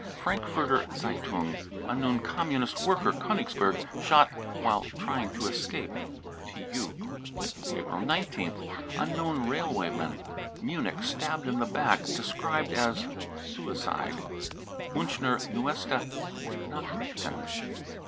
(Frankfurter Zeitung.) unknown communist worker, Konigsberg, shot "while trying to escape." ( TU .) April 19th. unknown railwayman, Munich, stabbed in the back, described as suicide. (Miinchner Neueste JVachrichten.)